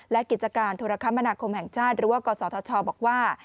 และกิจการโทรคมนาคมแห่งชาติหรือว่ากศธชบอกว่า